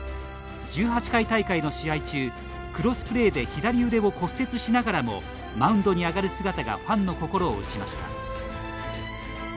１８回大会の試合中クロスプレーで左腕を骨折しながらもマウンドに上がる姿がファンの心を打ちました。